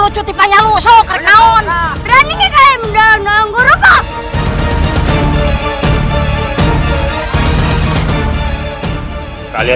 tolong mengajak serang mereka